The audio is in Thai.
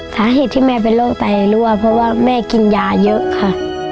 สาเหตุที่แม่เป็นโรคไตรั่วเพราะว่าแม่กินยาเยอะค่ะ